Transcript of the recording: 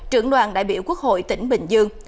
trưởng đoàn đại biểu quốc hội tỉnh bình dương